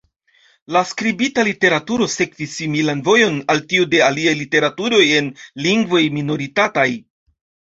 La skribita literaturo sekvis similan vojon al tiu de aliaj literaturoj en lingvoj minoritataj.